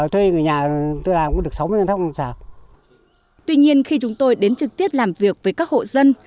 tuy nhiên khi chúng tôi đến trực tiếp làm việc với các hộ dân